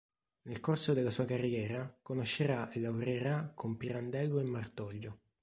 Nel corso della sua carriera conoscerà e lavorerà con Pirandello e Martoglio.